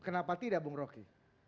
kenapa tidak bung roky